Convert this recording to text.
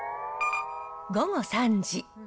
午後３時。